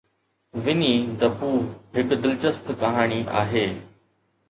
Winnie the Pooh هڪ دلچسپ ڪهاڻي آهي.